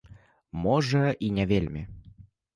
Можа, і не вельмі.